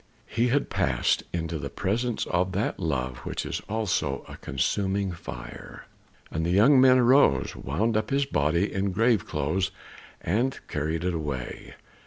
He had passed into the presence of that Love which is also a consuming fire. And the young men arose, wound up his body in grave clothes, and carried it away.